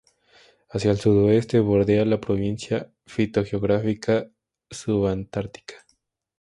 Hacia el sudoeste bordea la Provincia fitogeográfica Subantártica.